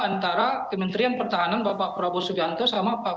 antara kementerian pertahanan bapak prabowo suganto sama pak